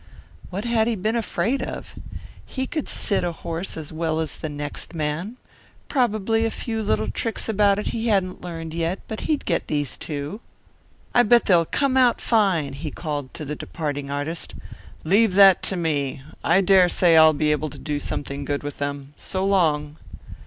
What had he been afraid of? He could sit a horse as well as the next man; probably a few little tricks about it he hadn't learned yet, but he'd get these, too. "I bet they'll come out fine," he called to the departing artist. "Leave that to me. I dare say I'll be able to do something good with them. So long."